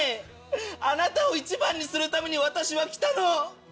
あなたを１番にするために私は来たの。